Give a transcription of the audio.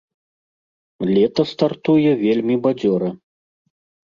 Лета стартуе вельмі бадзёра.